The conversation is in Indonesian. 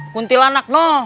kuntilanak noh lo cukur